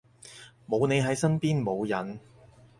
冇你喺身邊冇癮